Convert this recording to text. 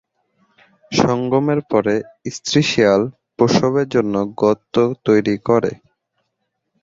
সঙ্গমের পরে, স্ত্রী শিয়াল প্রসবের জন্য গর্ত তৈরি করে।